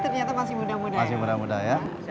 ternyata masih muda muda masih muda muda ya